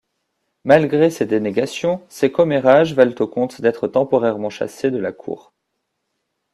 Malgré ses dénégations, ces commérages valent au comte d'être temporairement chassé de la cour.